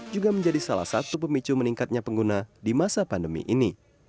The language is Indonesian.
juga menjadi salah satu pemicu meningkatnya pengguna di masa pandemi ini